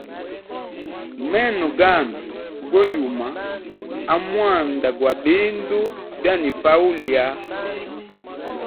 Meno gami go yuma amwanda gwa bindu bya nifa ulya.